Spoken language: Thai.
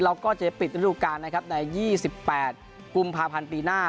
เราก็จะปิดระดูกการใน๒๘กุมภาพันธ์ปีหน้า